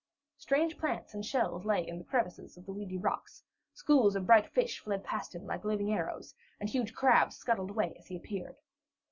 Strange plants and shells lay in the crevices of the weedy rocks, schools of bright fish fled past him like living arrows, and huge crabs scuttled away as he appeared.